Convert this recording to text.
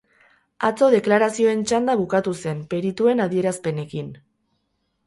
Atzo deklarazioen txanda bukatu zen, perituen adierazpenekin.